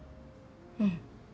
うん。